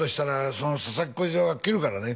「その佐々木小次郎が斬るからね」